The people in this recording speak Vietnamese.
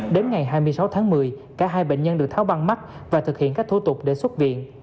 đến ngày hai mươi sáu tháng một mươi cả hai bệnh nhân được tháo băng mắt và thực hiện các thủ tục để xuất viện